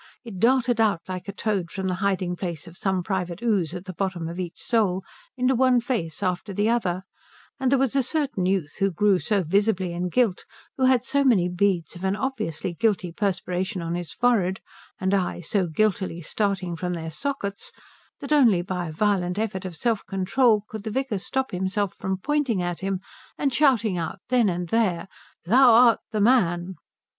It darted out like a toad from the hiding place of some private ooze at the bottom of each soul into one face after the other; and there was a certain youth who grew so visibly in guilt, who had so many beads of an obviously guilty perspiration on his forehead, and eyes so guiltily starting from their sockets, that only by a violent effort of self control could the vicar stop himself from pointing at him and shouting out then and there "Thou art the man!"